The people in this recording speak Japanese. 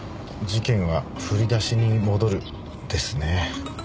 事件は振り出しに戻るですね。